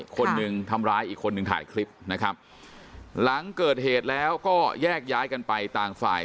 คนหนึ่งทำร้ายอีกคนนึงถ่ายคลิปนะครับหลังเกิดเหตุแล้วก็แยกย้ายกันไปต่างฝ่าย